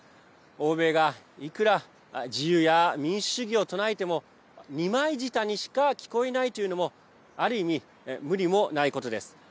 欧米が、いくら自由や民主主義を唱えても二枚舌にしか聞こえないというのもある意味、無理もないことです。